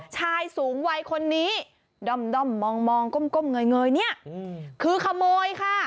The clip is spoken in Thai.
ชายสูงวัยคนนี้ด้อมมองก้มเงยเนี่ยคือขโมยค่ะ